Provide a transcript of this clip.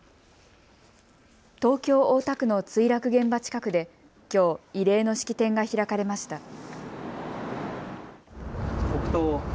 東京大田区の墜落現場近くできょう、慰霊の式典が開かれました。